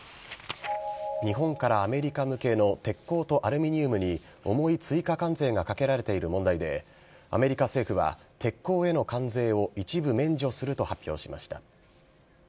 日本からアメリカ向けの鉄鋼とアルミニウムに、重い追加関税がかけられている問題で、アメリカ政府は鉄鋼への関税を一部免除すると発表しました。